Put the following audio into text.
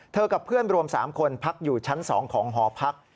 กับเพื่อนรวม๓คนพักอยู่ชั้น๒ของหอพัก